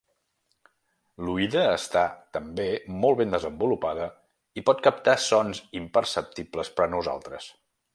L'oïda està també molt ben desenvolupada i pot captar sons imperceptibles per a nosaltres.